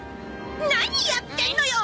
何やってんのよ！